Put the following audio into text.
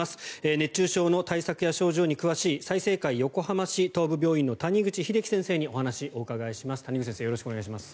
熱中症の対策や症状に詳しい済生会横浜市東部病院の谷口英喜先生にお話をお伺いします。